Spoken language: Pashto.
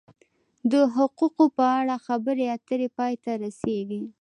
د حقوقو په اړه خبرې اترې پای ته رسیږي.